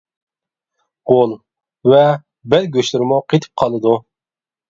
غول ۋە بەل گۆشلىرىمۇ قېتىپ قالىدۇ.